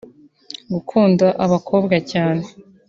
gukunda abakobwa cyane